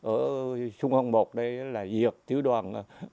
ở xuân quang một đây là diệt tiểu đoàn